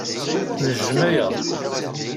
Nejjem aya.